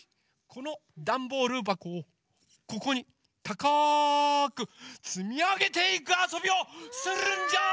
このダンボールばこをここにたかくつみあげていくあそびをするんジャー！